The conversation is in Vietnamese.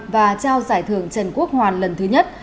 và trao giải thưởng trần quốc hoàn lần thứ nhất